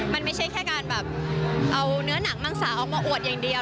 มันไม่ใช่แค่การแบบเอาเนื้อหนังมังสาออกมาอวดอย่างเดียว